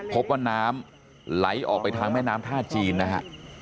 พบว่าน้ำไหลออกไปทางแม่น้ำท่าจีนนะฮะ